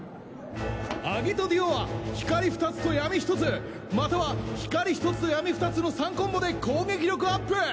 アギト＝ディオは光２つと闇１つまたは光１つと闇２つの３コンボで攻撃力アップ。